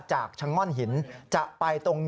จากชะง่อนหินจะไปตรงไหน